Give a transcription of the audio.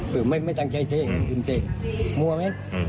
คือไม่ตั้งใจเตรียมเตรียมเตรียมมั่วไหม